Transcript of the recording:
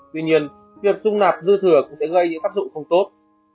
tuy nhiên việc dung nạp dư thừa cũng sẽ gây những tác dụng không tốt